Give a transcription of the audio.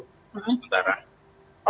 oh belum ada info